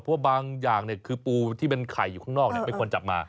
เพราะบางอย่างคือปูที่เป็นไข่อยู่ข้างนอกไม่ควรจับมา